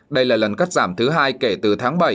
đây là lần cắt giảm thứ hai kể từ tháng bảy